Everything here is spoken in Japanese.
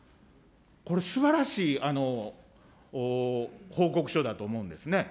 これ、すばらしい報告書だと思うんですね。